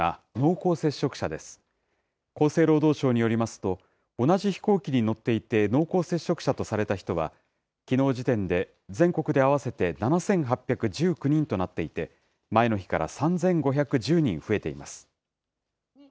厚生労働省によりますと、同じ飛行機に乗っていて濃厚接触者とされた人は、きのう時点で全国で合わせて７８１９人となっていて、前の日から３５１０人増えています。